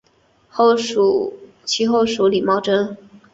其后属于李茂贞。